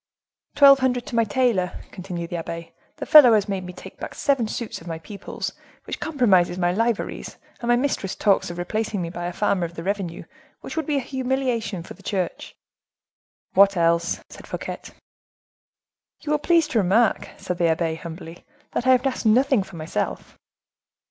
"Twelve hundred to my tailor," continued the abbe; "the fellow has made me take back seven suits of my people's, which compromises my liveries, and my mistress talks of replacing me by a farmer of the revenue, which would be a humiliation for the church." "What else?" said Fouquet. "You will please to remark," said the abbe, humbly, "that I have asked nothing for myself."